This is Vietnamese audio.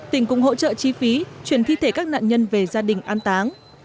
tỉnh cũng hỗ trợ chi phí chuyển thi thể các nạn nhân về gia đình an táng